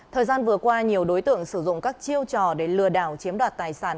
thời gian vừa qua nhiều đối tượng sử dụng các chiêu trò để lừa đảo chiếm đoạt tài sản